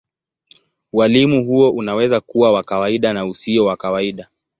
Ualimu huo unaweza kuwa wa kawaida na usio wa kawaida.